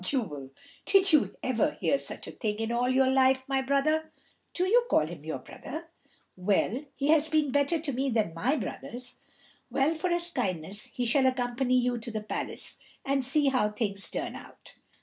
Jubal, did you ever hear such a thing in all your life, my brother?" "Do you call him your brother?" "Well, he has been better to me than my brothers." "Well, for his kindness he shall accompany you to the palace, and see how things turn out."